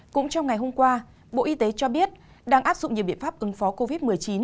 cũng trong ngày hôm qua bộ y tế cho biết đang áp dụng nhiều biện pháp ứng phó covid một mươi chín